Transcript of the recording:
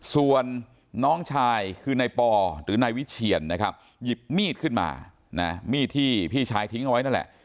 ส่วนน้องชายคือนายปอหรือนายวิเชียนนะครับหยิบมีดขึ้นมานะมีดที่พี่ชายทิ้งเอาไว้นั่นแหละ